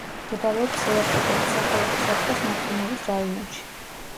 მდებარეობს სევასტოპოლის საქალაქო საბჭოს ნახიმოვის რაიონში.